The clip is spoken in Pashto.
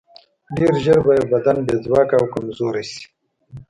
ډېر ژر به یې بدن بې ځواکه او کمزوری شي.